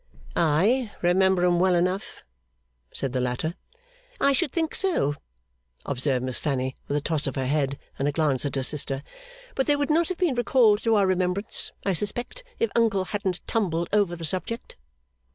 'I remember 'em well enough,' said the latter. 'I should think so,' observed Miss Fanny, with a toss of her head and a glance at her sister. 'But they would not have been recalled to our remembrance, I suspect, if Uncle hadn't tumbled over the subject.